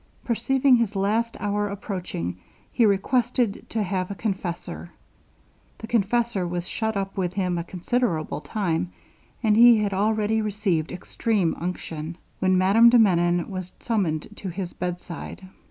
Perceiving his last hour approaching, he requested to have a confessor. The confessor was shut up with him a considerable time, and he had already received extreme unction, when Madame de Menon was summoned to his bedside.